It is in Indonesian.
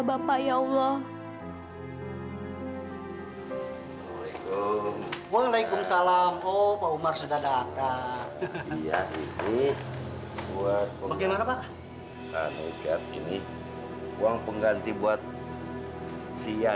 sampai jumpa di video selanjutnya